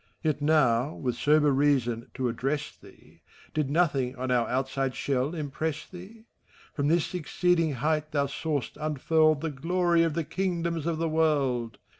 —^ Yet now, with sober reason to address thee, Did nothing on our outside shell impress theet From this exceeding height thou saw'st unfurled The g^oiy of the Kingdoms of the World.